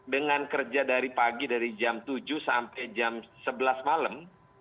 dengan kerja dari pagi dari jam tujuh sampai jam sebelas malam